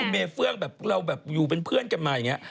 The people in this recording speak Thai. คุณเมย์เฟืองเราอยู่เป็นเพื่อนกันมาอย่างนี้